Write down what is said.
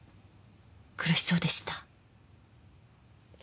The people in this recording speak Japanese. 苦しそうでした？